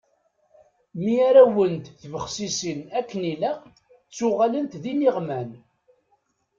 Mi ara wwent tbexsisin akken i ilaq, ttuɣalent d iniɣman.